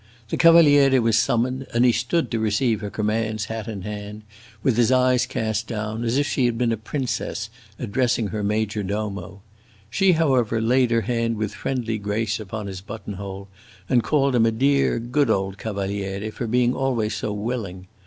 The Cavaliere was summoned, and he stook to receive her commands hat in hand, with his eyes cast down, as if she had been a princess addressing her major domo. She, however, laid her hand with friendly grace upon his button hole, and called him a dear, good old Cavaliere, for being always so willing.